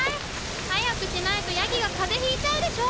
はやくしないとヤギがかぜひいちゃうでしょ！